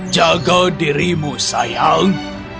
jaga dirimu sayang